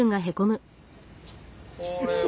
これは。